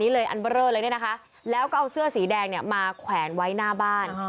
แล้วก็เอาเสื้อสีแดงมาแขวนไว้หน้าบ้าน